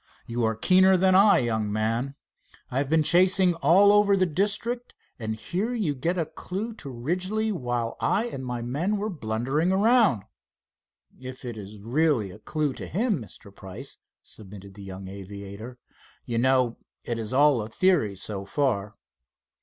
You are keener than I, young man. I have been chasing all over the district, and here you get a clew to Ridgely, while I and my men were blundering around." "If it is really a dew to him, Mr. Price," submitted the young aviator. "You know, it is all a theory so far."